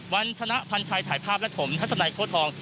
วันชนะพันชัยถ่ายภาพและถมทัศนัยโค้ดทอง